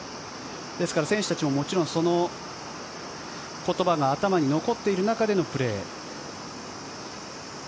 ですから、選手たちもその言葉が頭に残っている中でのプレー。